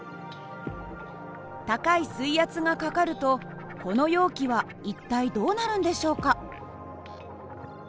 高い水圧がかかるとこの容器は一体どうなるんでしょうか。